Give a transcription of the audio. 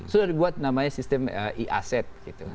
sudah dibuat namanya sistem e aset gitu